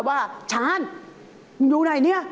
ว่าฉานมึงอยู่ไหนนี่